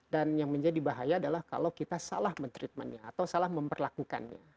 dan yang menjadi bahaya adalah kalau kita salah men treatmentnya atau salah memperlakukannya